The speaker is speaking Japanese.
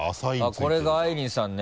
あっこれがあいりんさんね。